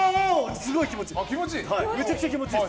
すごい気持ちいい。